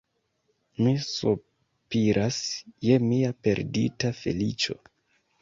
Mi sopiras je mia perdita feliĉo.